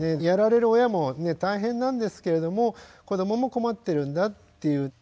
やられる親も大変なんですけれども子どもも困ってるんだっていう。